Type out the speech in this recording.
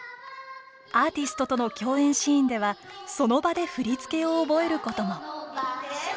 アーティストとの共演シーンではその場で振り付けを覚えることも。